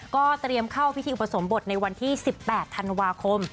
ก็เตรียมเข้าพิธีอุปสมบทในวันที่๑๘ธันวาคม